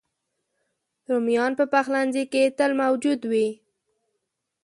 رومیان په پخلنځي کې تل موجود وي